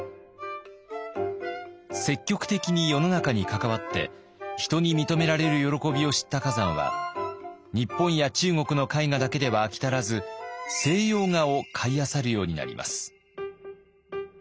積極的に世の中に関わって人に認められる喜びを知った崋山は日本や中国の絵画だけでは飽き足らず西洋画を買いあさるようになります。